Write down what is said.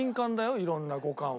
いろんな五感は。